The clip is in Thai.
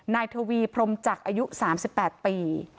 นายทวีพรมจักรอายุ๓๘ปี